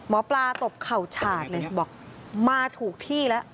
หมอปลาตบเข่าฉาดเลยบอกมาถูกที่แล้ว